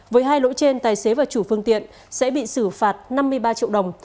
với hai lỗi trên tài xế và chủ phương tiện sẽ bị xử phạt năm mươi ba triệu đồng